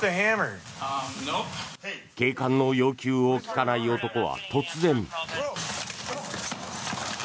警官の要求を聞かない男は突然。